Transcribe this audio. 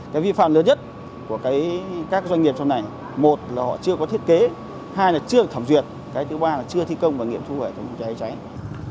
cái vi phạm lớn nhất của các doanh nghiệp trong này một là họ chưa có thiết kế hai là chưa thẩm duyệt cái thứ ba là chưa thi công và nghiệp thu hệ thống phòng cháy chữa cháy